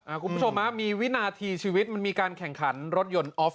คุณผู้ชมฮะมีวินาทีชีวิตมันมีการแข่งขันรถยนต์ออฟ